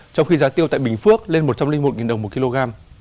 trong khi giá tiêu tại bình phước lên một trăm linh một đồng một kg